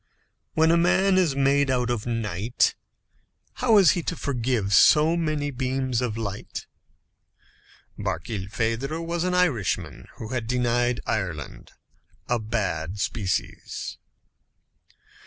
When a man is made out of night, how is he to forgive so many beams of light? Barkilphedro was an Irishman who had denied Ireland a bad species.